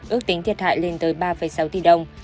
ước tính thiệt hại lên tới ba sáu tỷ đồng